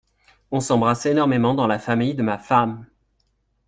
On s’embrasse énormément dans la famille de ma femme !…